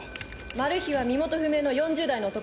マルヒは身元不明の４０代の男。